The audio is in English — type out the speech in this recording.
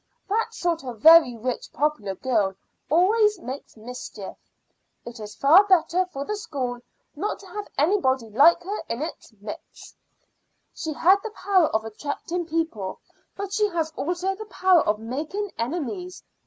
That sort of very rich popular girl always makes mischief. It is far better for the school not to have anybody like her in its midst. She has the power of attracting people, but she has also the power of making enemies.